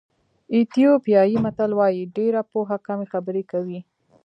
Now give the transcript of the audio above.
ایتیوپیایي متل وایي ډېره پوهه کمې خبرې کوي.